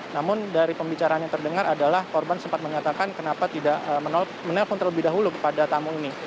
namun dari pembicaraan yang terdengar adalah korban sempat menyatakan kenapa tidak menelpon terlebih dahulu kepada tamu ini